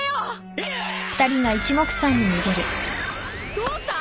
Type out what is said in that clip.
どうした？